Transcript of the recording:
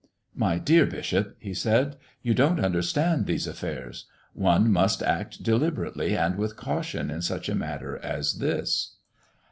"My dear bishop," he said, "you don't understand these affairs. One must act deliberately and with caution in such a matter as this."